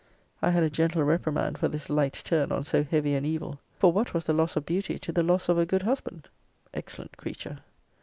I had a gentle reprimand for this light turn on so heavy an evil 'For what was the loss of beauty to the loss of a good husband?' Excellent creature!